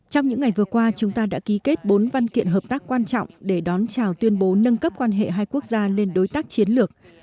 trong những ngày vừa qua chúng ta đã ký kết bốn văn kiện hợp tác quan trọng để đón chào tuyên bố nâng cấp quan hệ hai quốc gia lên đối tác chiến lược